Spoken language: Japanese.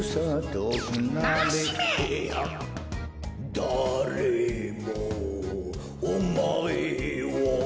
「だれもおまえを」